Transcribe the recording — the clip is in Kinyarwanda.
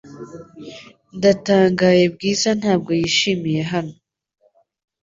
Ndatangaye Bwiza ntabwo yishimiye hano .